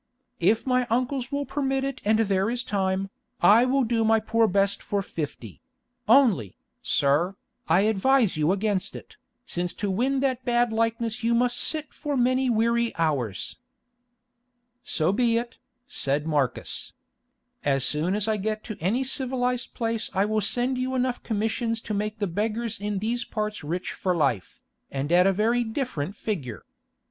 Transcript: If my uncles will permit it and there is time, I will do my poor best for fifty—only, sir, I advise you against it, since to win that bad likeness you must sit for many weary hours." "So be it," said Marcus. "As soon as I get to any civilised place I will send you enough commissions to make the beggars in these parts rich for life, and at a very different figure.